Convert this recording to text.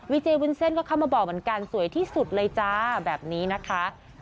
เจวุ้นเส้นก็เข้ามาบอกเหมือนกันสวยที่สุดเลยจ้าแบบนี้นะคะ